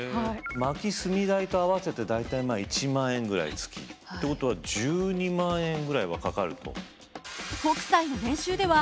薪・炭代と合わせて大体１万円ぐらい月。ってことは１２万円ぐらいはかかると。